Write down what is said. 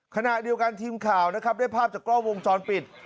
ขณะเดียวกันทีมข่าวนะครับได้ภาพจากกล้องวงจรปิด